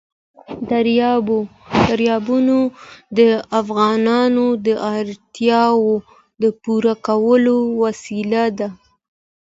دریابونه د افغانانو د اړتیاوو د پوره کولو وسیله ده.